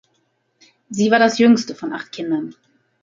Sie war das Jüngste von acht Kindern.